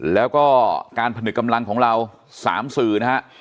แล้วก็การผนึกกำลังของเรา๓สื่อนะฮะ